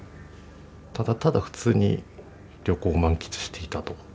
ただただ普通に旅行を満喫していたと。